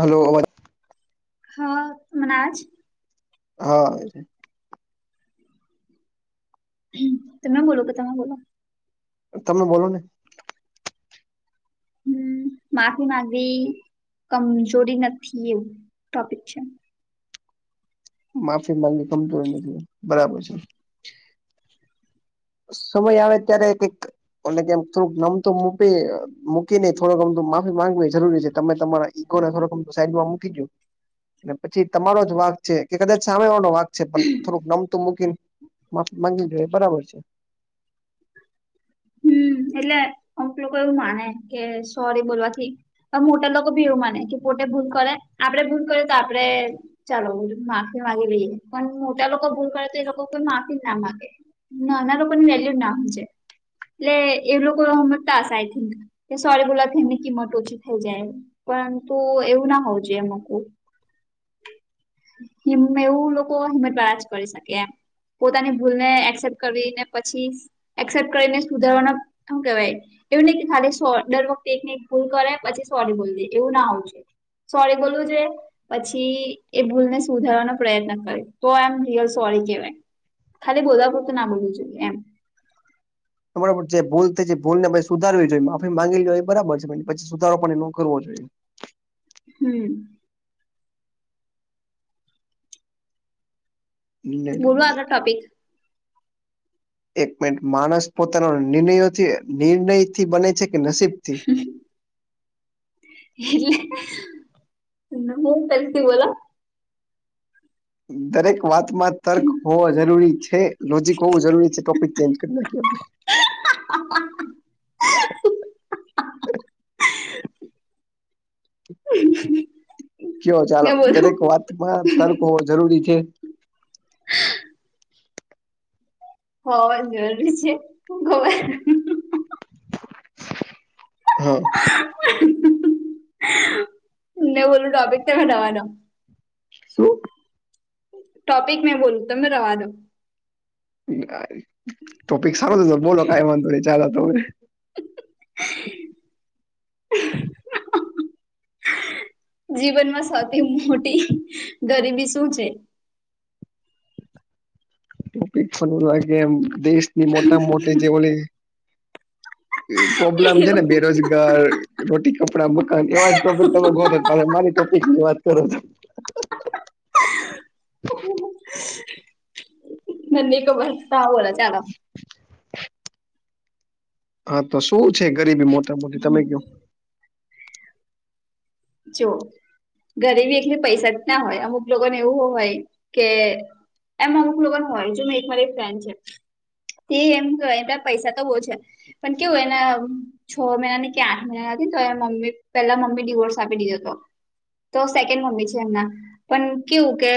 Hello અવાજ હા હમણાં જ હા તમે બોલો કે તમે બોલો તમે બોલો ને હમ માફી માંગવી કમજોરી નથી એ ટોપિક છે માફી માંગવી કમજોરી નથી બરાબર છે સમય આવે ત્યારે કંઈક અમને કેમ થોડુંક નમતું મૂપી મૂકીને થોડુંક નમતું માફી માંગવી જરૂરી છે તમે તમારા ઈગો રાખવાનો કમ સાઈડમાં મૂકી દો ને પછી તમારો જ વાક છે કે કદાચ સામેવાળા નો વાક એતો છે પણ થોડુંક નમતું મૂકી ને માફી માંગીલો એ બરાબર છે હમ એટલે આપણું કહેલું માને કે સોરી બોલવાથી મોટા લોકો ભી એવું માને કે પોતે ભૂલ કરે આપડે ભૂલ કરે તો આપડે ચાલો માફી માગી લઈએ પણ મોટા લોકો ભૂલ કરે તો એ લોકો કોઈ માફી ના માગે નાના લોકો ની કોઈ વેલ્યુ ના હમજે એટલે એ લોકો હમજતા હશે આઈ થિંક કે સોરી બોલવાથી એમની કિંમત ઓછી થઈ જાય પરંતુ એવું ના હોવ જોઈએ મકું એમને એવું લોકો હિંમત આ જ કરી શકે પોતાની ભૂલને એક્સેપ્ટ કરવી ને પછી એક્સેપ્ટ કરીને સુધારવાનું શું કેવાય. એવું નહી કે ખાલી સોરી દર વખતે એકને એક ભૂલ કરે પછી સોરી બૂલ દે એવું ના આવું છે. સોરી બોલવુ જોઈએ પછી એ ભૂલને સુધારવાનો પ્રયત્ન કરે તો આમ રિયલ સોરી કહેવાય. ખાલી બોલવા પૂરતું ના બોલવું જોઈએ એમ. તમારા જે ભૂલ થ જે ભૂલને પણ સુધારવી જોઈએ માફી માંગવી જોઈએ બરાબર છે પછી સુધારો પણ એ કરવો જોઈએ. હમ. નિર્ણયથી બોલો બને આગળ ટોપિક. એક મિનિટ માણસ પોતાનો નિર્ણયોથી નિર્ણયથી બને છે કે નસીબથી. હમ હું થયું કાંઈક તો બોલો. દરેક વાતમાં તર્ક હોવો જરૂરી છે લોજીક હોવું જરૂરી છે ટોપિક. ચેન્જ કરી નાખીએ આપણે. હ. [unintelligible] કયો ચાલો દરેક વાતમાં તર્ક હોવો જરૂરી છે હોવા જરૂરી છે હું ખબર. હા. શને બોું અપક તખ નવાનો. [unintelligible] શું. ટોપિક મેં બોલું તમને રવા દો. હા ટોપિક સારું છે બોલો કાઈ વાંધો નહી ચાલો તમે [inaudible] જીવનમાં સૌથી મોટી ગરીબી શું છે? ટોપિક ફ્લૂ લાગે એમ દેશની મોટા મોટી જે ઓલી તે પ્રોબ્લેમ છે ને બેરોજગાર રોટી કપડા મકાન એવા જ ટોપિક તમે ગોતો તમે મારી ટોપિક ની વાત કરો તો [inaudible] તન નહી ખબર તા બોલો ચાલો [inaudible] હા તો શું છે ગરીબી મોટા મોટી તમે કયો જો ગરીબી એકલી પૈસા જ ના હોય અમુક લોકોને એવું હોય કે એમ અમુક લોકો હોય જો મેં એક મારી એક ફ્રેન્ડ છે. તે એમ કેતા પૈસા તો બહુ છે. પણ કેવું એના છ મહિનાની કે આઠ મહિના નથી તો એ મમ્મી પેલા મમ્મી ડીવોર્સ આપી દીધો હતો તો સેકન્ડ મમ્મી છે એમના પણ કેવું કે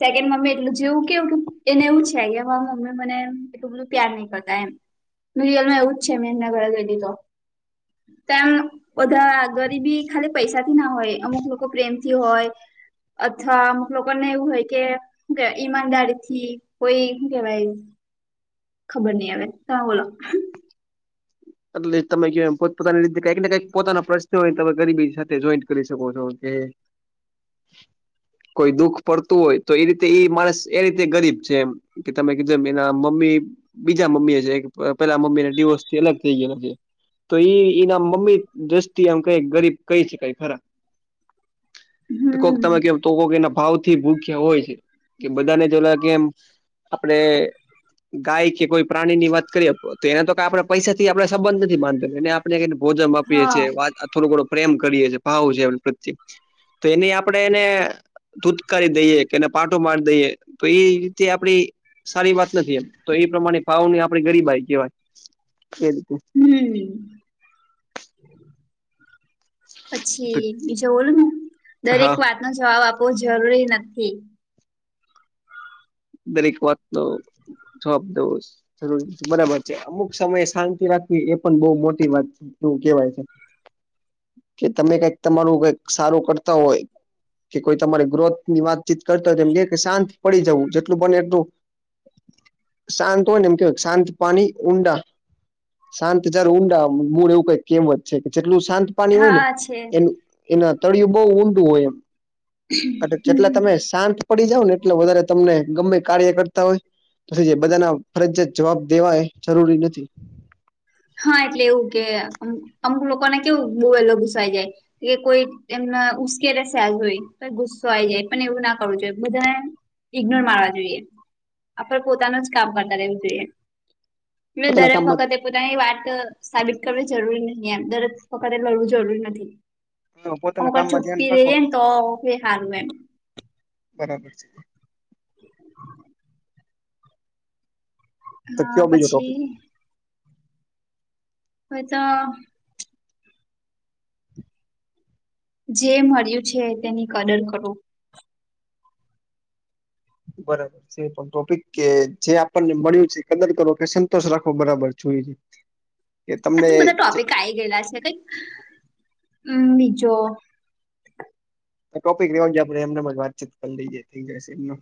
સેકન્ડ મમ્મી એટલું જેવું કેવું કે એને એવું છે કે હ માર મમ્મી મને એટલું બધું પ્યાર નહિ કરતા એમ રીઅલમાં એવું જ છે મેં એમના ઘરે ગઈ તી તો તેમ વધારે આગળ તી બી ખાલી પૈસા થી ના હોય અમુક લોકો પ્રેમ થી હોય અથવા અમુક લોકો ને એવું હોય કે કે ઈમાનદારી થી કોઈ શું કેવાય ખબર નઈ આવે હવે તમે બોલો એટલે તમે કયો એમ પોત પોતાની રીતે કઈક ને કઈક પોતાના પ્રશ્નો હોય તમે ગરીબી સાથે જોઈન્ટ કરી શકો છો કે કોઈ દુઃખ પડતું હોય તો એ રીતે એ માણસ એ રીતે ગરીબ છે એમ કે તમે કીધું એમ એના મમ્મી બીજા મમ્મી છે પેલા મમ્મીને ડિવર્સથી અલગ થઈ ગયા છે. તો ઈ એના મમ્મી દ્રષ્ટિ આમ કઈ ગરીબ કઈ શકાય ખરા કોક હમ તમે કયો એમ તો કોકે એના ભાવ થી ભૂખ્યા હોય છે કે બધાને જોલા કેમ આપડે ગાય કે કોઈ પ્રાણી ની વાત કરીએ તો એના તો કાઈ આપડે પૈસા થી આપણે સંબંધ નથી માનતો એને આપણે ભોજન આપીએ હા છીએ વાત થોડો ઘણો પ્રેમ કરીએ છીએ ભાવ છે એમની પ્રત્યે તો એની આપણે એને ધૂધકારી દઈએ કેને પાટો મારી દઈએ તો એ રીતે આપડી સારી વાત નથી એમ તો એ પ્રમાણે ભાવને આપણે ગરીબાઈ કેહેવાય ખેલતું હમ્મ. પછી બીજું બોલું મું ને દરેક હા વાત નો જવાબ આપવો જરૂરી નથી. દરેક વાત નો જવાબ દો જરૂરી બરાબર છે અમુક સમયે શાંતિ રાખવી એ પણ બહુ મોટી વાત એવું કેવાય છે કે તમે કઈક તમારું કઈક સારું કરતા હોય કે કોઈ તમારી ગ્રોથ ની વાતચીત કરતા હોય એમ કે શાંત પડી જવું જેટલું બને એટલું શાંત હોય ને એમ કેવાય શાંત પાણી ઊંડા શાંત જયારે ઊંડા મૂળ એવું કઈ કહેવત છે કે જેટલું શાંત પાની હોય ને, હા છે એ એના તળિયું બહુ ઊંડું હોય એમ. હમ. જેટલા તમે શાંત પડી જાવ ને, એટલે વધારે તમને. ગમે કાર્ય કરતા હોય તો, બધા ના ફરજત જવાબ દેવા એ જરૂરી નથી. હા, એટલે એવું કેમ અમુક લોકોને કેવું બોવેલો ઘુસાઈ જાય. કે કોઈ એમના ઉશ્કેર છે, આ જોઈ. ઈ ગુસ્સો આઈ જાય, પણ એવું ના કરવું જોઈએ, બધાને ઈગ્નોર માવા જોઈએ. આપડ પોતાનું જ કામ કરતા એવ જોઈએ પોતાના દરેક કામમાં વખતે. ની વાત સાબિત કરવી જરૂરી નહી, એમ દરક વખતે લડવું જરૂરી નથી. અમ પોતાના કળ કામમાં ધ્યાન ચુપી ર રાખો એમ એટલે તો કે હાર હો એમ [unintelligible] બરાબર છે. [unintelligible] હ, તો કયો બીજો પછી ટોપિક હવે તો. જે મળર્યું છે, તેની કદર કરો. બરાબર. પણ ટોપિક કે, જે આપણને મળ્યું છે, કદર કરો કે, સંતોષ રાખો બરાબર જોયએ. [unintelligible] આ તો બધા ટોપિક આ ગયેલા છે, કઈક બીજો. આ ટોપિક જ આપડે એમને જ વાતચીત કરી લઈજે, ઈ જશે એમનું.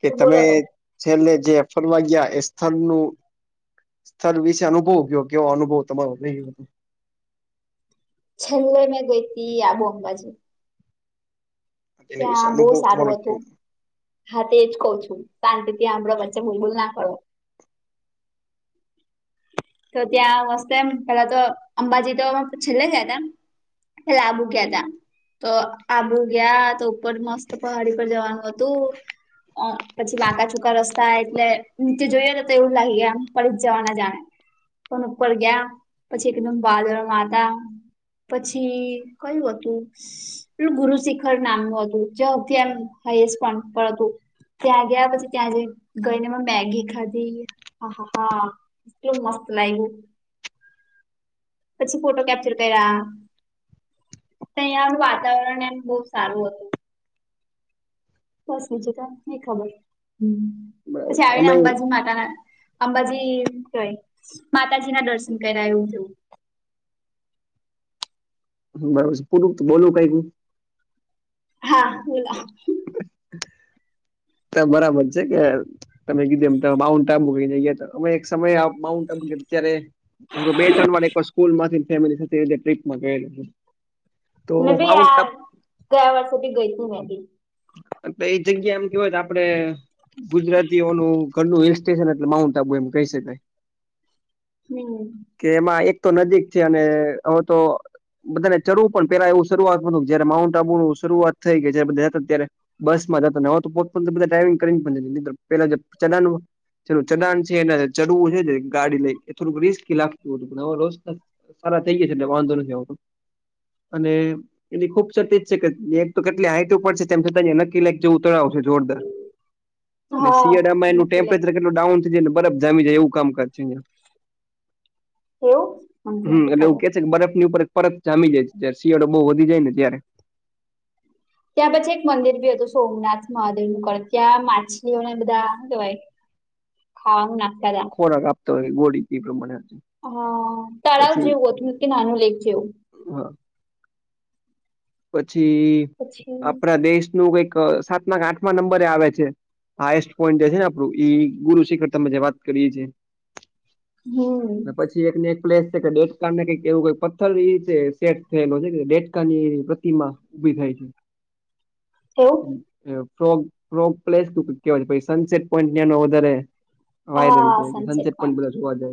કે, તો તમે બોલો તો છેલ્લે જે ફરવા ગયા એ સ્થળ નું સ્થળ વિશે અનુભવ ગયો કેવો? અનુભવ તમારો નહી હતો. છેલ્લે ઈ મેં ગઈ હતી, આબો અંબાજી. તેની વિશે ત્યાં બહુ અનુભવ તમારો સારું કેવો હતું. હા, તે જ કઉું છું, શાંતિથીંળો વચ્ચે ભૂલબૂલ ના કરો. તો ત્યાં મસ્ત એમ પેલા તો અંબાજી તો છેલ્લે ગયા તમે. લાબુ ગયા તા. તો આબુ ગયા તો, ઉપર મસ્ત પહાડી પર જવાનું હતું. પછી બાકા છુકા રસ્તા એટલે નીચે જોઈએને, તો એવું લાગી, ગ આમ પડી જ જવા ના જાણે. પણ ઉપર ગયા, પછી એકદમ વાદળ મા હતા. પછી કયું હતું? એલું ગુરુ શિખર નામનું હતું, જે અતાર હ પણ પણ હતું. ત્યાં ગયા, પછી ત્યાં જ ગઈને, મેગી ખાધી હ હા. એટલી મસ્ત લાગે. પછી ફોટો કેપ્ચર કર્યા. તાહિયાનું વાતાવરણ એમ બહુ સારું હતું. બસ બીજું ત નઈ ખબર. બરાબર પછી છે આવીને અમે અંબાજી માતા ના અંબાજી કય, માતાજી ના દર્શન કર્યા, એવું થીયું. બરાબર છે, પરું તો બોલું [unintelligible] હા, બોલો. [unintelligible] બરાબર છે, કે તમે કીધું એમ, તમે માઉન્ટ આબુ વઇ જઈએ તો, અમે એક સમય આપ માઉન્ટ આબુ અત્યારે, હું બે-ત્રણ વાડ સ્કૂલ માંથી ફેમિલી સાથે ટ્રીપમાં ગયેલો. તો મેં બી માઉન્ટ યાર, આબુ ગયા વર્ષ ગયી તી મેં બી. [unintelligible] અને એ જગ્યા એમ કેવાય તો આપડે. ગુજરાતીઓનું ઘરનું હિલ સ્ટેશન એટલે માઉન્ટ આબુ એમ કહી શકાય. હમ. કે એમાં એક તો નજીક છે અને હવે તો. બધાને ચરું પણ પેલા એવું શરૂઆત હતું જયારે માઉન્ટ આબુ નું શરૂઆત થઈ કે જે બધે અત્યારે, બસ માં જતો ને હોવે તો પોત્ત પોતે બધા ડ્રાઈવીગ કરીને પણ જ પેલા ચલાનું ચડાણ નું ચડાણ છે એના ચડવું છેને ગાડી લઈ એ થોડુંક રિસ્કી લાગતું હતું, પણ રોષ સારા થઈ ગયા છે એટલે વાંધો નથી આવતું. અને એની ખુબસુરતી એ જ છે કે તો કેટલી હાઈટ ઉપર છે. છતાં નક્કી લાઈક તળાવ છે, જેવું તળાવ છે જોરદાર, અને હા શિયાળામાં એનું નથી લેક- ટેમ્પરેચર કેટલું ડાઉન ને બરફ જામી જાય એવુ કામકાજ છેં અહીંયા. એવું, હ એ હમ નથી એટલે એવું ખબર. કે બરફની ઉપર પરત જામી જાય છે જયારે શિયાળો બહુ વધી જાય ને ત્યારે. ત્યાં પછી એક મંદિર બી હતું સોમનાથ મહાદેવ નુંક ત્યાં માછલીઓને બધા હું કેહેવાય. ખવાનું નાખતા તા. ખોરાક આપતા હોય ગોળી પી પ્રમાણે. હ, તળાવ પછી જેવું હતું કે નાનું લેક જેવું. હા. પછી, પછી આપણા દેશનું કઈક સાતમા આઠમા નંબરે આવે છે. હાયેસ્ટ પોઈન્ટ જે છે ને આપડું ગુરુ શિખર તમે જે વાત કરીએ છીએ. [inaudible] ને પછી ઈ એક ને એક પ્લેસ છે કે ડેટકા ને કંઈક કેવું હોય પથ્થર ઇ છે સેટ થયેલો છે કે ડેટકાની ગત ઇમા ઉભી થાય છે. તો? અ ફ્રોગ-ફ્રોગ પ્લેસ ક-કેવાય છે કે ભાઈ સનસેટ ન્યાનો પોઈન્ટ વધારે. વાયરલ હા છે સનસેટ પણ પોઈન્ટ બધા જાય.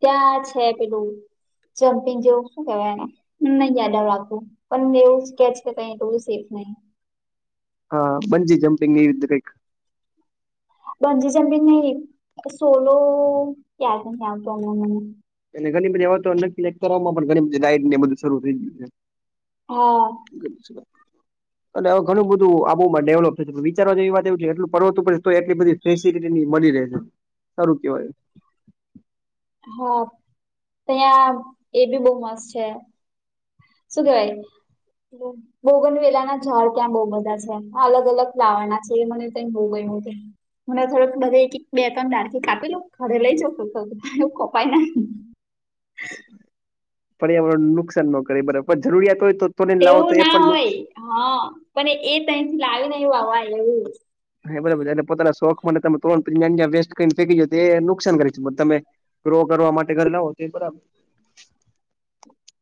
ત્યાં છે પેલું જમ્પિંગ જેવું શું કેવાય એને. નહી યાદવ રાખું પણ એવું સ્કેચ કે કઈ તો સેફ નહીં. હા બન્જી જંપિંગ નવી તે કઇક. બનજી જનપીંગ નહી સોલો યાદ નહિ આવતો હમણાં મને. અને ઘરની બધી હવા તો અલગથી લાઈટ કરવામાં પણ ઘણી બધી ડાયટ ને બધું શરૂ થઈ ગયું છે. હા. [unintelligible] અને હવે ઘણું બધું આબુ માં ડેવલપ થયુ છે વિચારો જેવી વાત એવું કે એટલું પર્વત ઉપર છે તોય એટલી બધી ફેસિલીટી ની મળી રહે છે, સારું કેવાય. હા, તે આ એ બી બહ મસ્ત છે. શું કેવાય? બોગન વેલા ના ઝાડ ક્યાં બહુ બધા છે, આ અલગ-અલગ ફ્લાવર ના છે એ મને તેય બો ગયીમું કે. મને થોડુંક બધે એ એક બે તણ દાડકી કાપી લોઉ ઘરે લઈ જઉ એવું કપાય ના. પર્યાવરણ ન નુકસાન ન કરે બરોબર પણ જરૂરિયાત હોય તોને લાવો તો એવું એ ના પણ હોય નુકસા હા, પણ એ તહી થી લાવીને એવુંવાય એવું. હા બરોબર છે એ અને પોતાના શોખ તમે ત્રણં વેસ્ટ કરીને ફેંકી ગ એ નુકસાન કરી છે તમે. ગ્રો કરવા માટે ઘર ના હો તો બરાબર.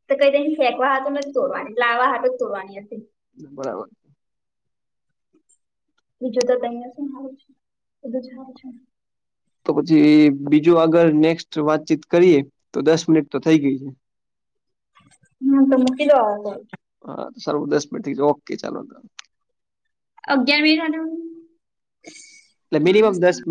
તો કઈ તેને ફેંકવા હા નથી જ તોડવાનીટ લાવવા હાટ જ તોડવાની હતી. બરાબર. બીજું તો તહીયા શું હ છે બધું જ છે. તો પછી બીજું આગળ નેક્સ્ટ વાતચીત કરીએ તો દસ મિનિટ તો થઇ ગઈ છે. હા તો મુકી દોઓ આવા તલ હા સર્વ દસ મિ છે ઓકે ચાલો ચાલો અગ્ઞાર મી થને ને મિનિમમ દસ મિનિટ